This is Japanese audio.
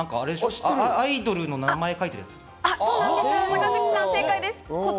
アイドルの名前書いてるやつ？